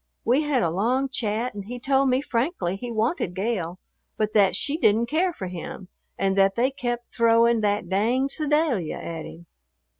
We had a long chat and he told me frankly he wanted Gale, but that she didn't care for him, and that they kept throwing "that danged Sedalia" at him.